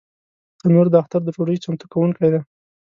تنور د اختر د ډوډۍ چمتو کوونکی دی